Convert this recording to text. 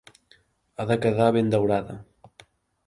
Ha de quedar ben daurada.